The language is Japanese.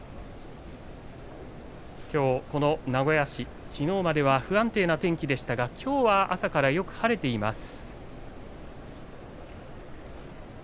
名古屋市きのうまでは不安定な天気でしたが、きょうは朝からよく晴れています。